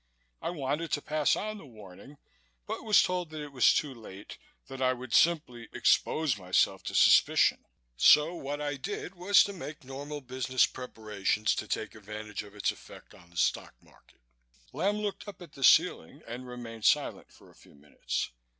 I wanted to pass on the warning but was told that it was too late, that I would simply expose myself to suspicion. So what I did was to make normal business preparations to take advantage of its effect on the Stock Market." Lamb looked up at the ceiling and remained silent for a few minutes.